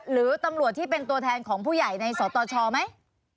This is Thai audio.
หรือตำรวจที่เป็นตัวแทนของผู้ใหญ่ในสตชไหม